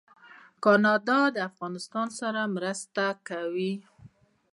کاناډا د افغانستان سره مرسته کړې.